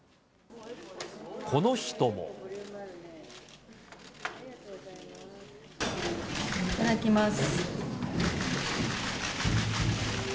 この人も。いただきます。